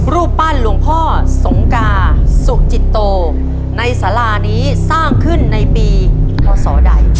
รูปปั้นหลวงพ่อสงกาสุจิตโตในสารานี้สร้างขึ้นในปีพศใด